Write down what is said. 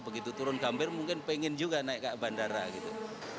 begitu turun gambir mungkin pengen juga naik ke bandara gitu